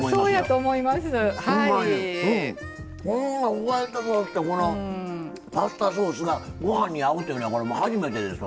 ホワイトソースとこのパスタソースがご飯に合うっていうのはこれ初めてですわ。